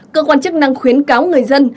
cơ quan chức năng khuyến cáo người dân